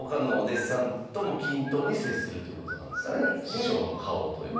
師匠の顔というか。